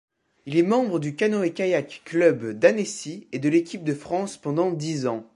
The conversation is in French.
Il est membre du Canoë-Kayak-Club d’Annecy et de l’équipe de France pendant dix ans.